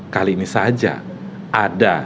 kali ini saja ada